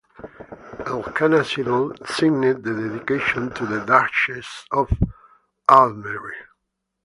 Elkanah Settle signed the dedication to the Duchess of Albemarle.